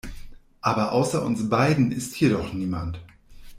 Aber außer uns beiden ist hier doch niemand.